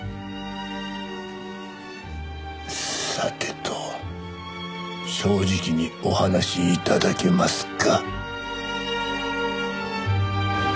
さてと正直にお話し頂けますか？